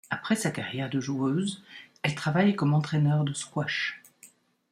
Après sa carrière de joueuse, elle travaille comme entraîneur de squash.